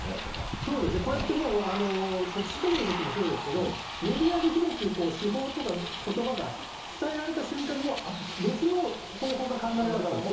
そうですね、こうやってもう、特殊詐欺のときもそうですけど、メディアで広く手法とかことばが伝えられた瞬間に、もう別の方法が考えられていくっていう。